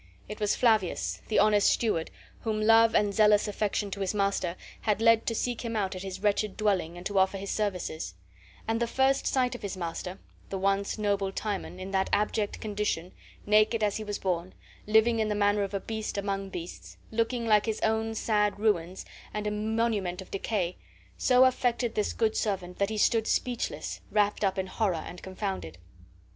It was Flavius, the honest steward, whom love and zealous affection to his master had led to seek him out at his wretched dwelling and to offer his services; and the first sight of his master, the once noble Timon, in that abject condition, naked as he was born, living in the manner of a beast among beasts, looking like his own sad ruins and a monument of decay, so affected this good servant that he stood speechless, wrapped up in horror and confounded.